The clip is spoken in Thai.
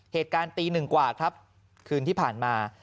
เหตุการณ์ตีหนึ่งกว่าครับคืนที่ผ่านมา